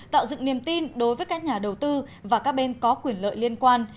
tạo dựng niềm tin đối với các nhà đầu tư và các bên có quyền lợi liên quan